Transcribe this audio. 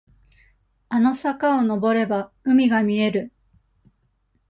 あの坂をのぼれば、海が見える。